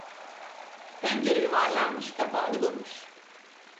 Tencere yuvarlanmış kapağını bulmuş.